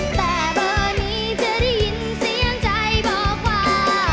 แต่วันนี้เธอได้ยินเสียงใจบอกว่า